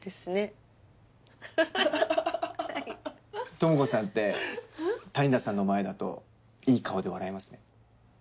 ともこさんって谷田さんの前だといい顔で笑いますね。